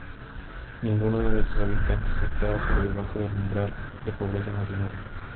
Ninguno de sus habitantes estaba por debajo del umbral de pobreza nacional.